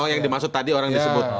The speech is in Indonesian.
yang dimaksud tadi orang disebut